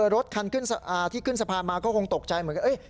รถคันที่ขึ้นสะพานมาก็คงตกใจเหมือนกัน